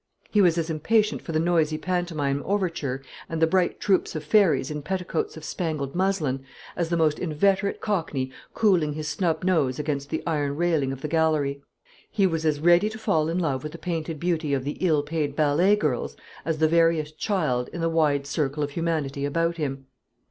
He was as impatient for the noisy pantomime overture, and the bright troops of fairies in petticoats of spangled muslin, as the most inveterate cockney cooling his snub nose against the iron railing of the gallery. He was as ready to fall in love with the painted beauty of the ill paid ballet girls, as the veriest child in the wide circle of humanity about him.